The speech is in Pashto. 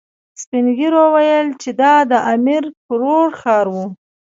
سپين ږيرو ويل چې دا د امير کروړ ښار و.